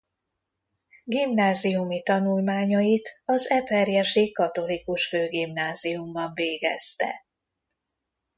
Gimnáziumi tanulmányait az eperjesi katolikus főgimnáziumban végezte.